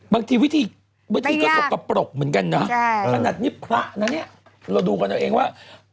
บางทีวิธีก็สบกระปรกเหมือนกันนะขนาดนี้พระเราดูกันเองว่า